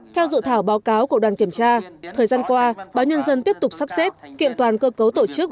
theo dự thảo báo cáo của đoàn kiểm tra thời gian qua báo nhân dân tiếp tục sắp xếp kiện toàn cơ cấu tổ chức